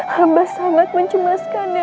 hamba sangat mencemaskannya